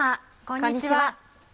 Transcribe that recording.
こんにちは。